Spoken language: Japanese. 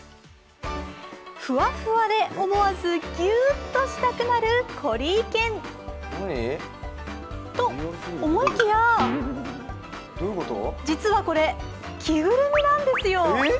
ふわふわで思わずぎゅっとしたくなるコリー犬。と思いきや、実はこれ、着ぐるみなんですよ。